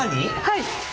はい。